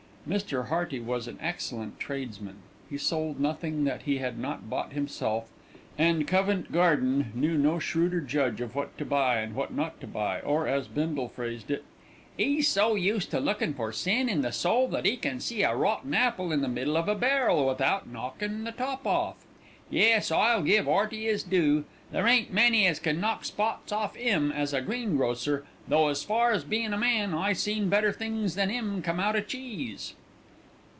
Mr. Hearty was an excellent tradesman; he sold nothing that he had not bought himself, and Covent Garden knew no shrewder judge of what to buy and what not to buy, or, as Bindle phrased it: "'E's so used to lookin' for sin in the soul that 'e can see a rotten apple in the middle of a barrel without knockin' the top off. Yes, I'll give 'Earty 'is due. There ain't many as can knock spots off 'im as a greengrocer, though as far as bein' a man, I seen better things than 'im come out o' cheese."